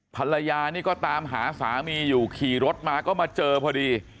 ภรรยานี่ก็ตามหาสามีอยู่ขี่รถมาก็มาเจอพอดี